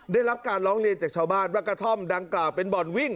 ได้รับการร้องเรียนจากชาวบ้านว่ากระท่อมดังกล่าวเป็นบ่อนวิ่ง